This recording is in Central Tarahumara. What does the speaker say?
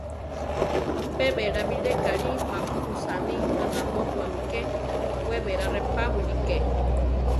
Pe belá bilé kalí mapu usáni anamótuami ké; we berá reʼpa wilíke.